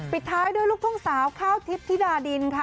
ปิดท้ายด้วยลูกท่องสาวข้าวทิศธิดาดินค่ะ